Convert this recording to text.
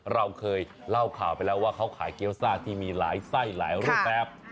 เราเคยเล่าข่าวไปแล้วว่าเขาขายเกี้ยวซ่าที่มีหลายไส้หลายรูปแบบ